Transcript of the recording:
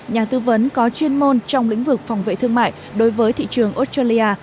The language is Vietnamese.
nhà tư vấn có chuyên môn trong lĩnh vực phòng vệ thương mại đối với thị trường australia